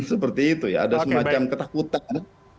seperti itu ya ada semacam ketakutan